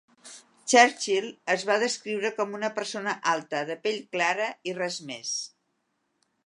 Churchill es va descriure com una persona alta, de pell clara i res més.